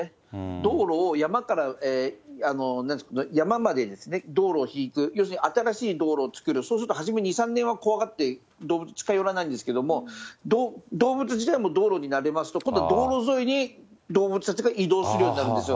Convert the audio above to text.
道路を山から、山まで道路を引く、要するに新しい道路を作る、そうすると初め２、３年は怖がって動物、近寄らないんですけど、動物自体も道路に慣れますと、今度、道路沿いに動物たちが移動するようになるんですよ。